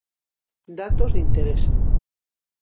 Datos de interese.